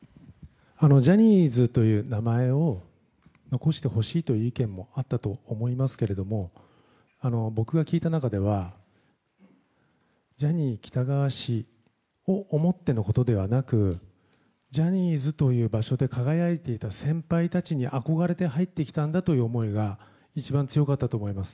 ジャニーズという名前を残してほしいという意見もあったと思いますけれども僕が聞いた中ではジャニー喜多川氏を思ってのことではなくジャニーズという場所で輝いていた先輩たちに憧れて入ってきたんだという思いが一番強かったと思います。